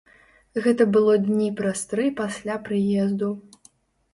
Гэта было дні праз тры пасля прыезду.